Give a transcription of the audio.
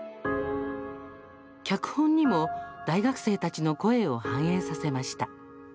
脚本にも大学生たちの声を反映させました。